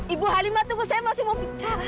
ibu halimah tunggu saya masih mau bicara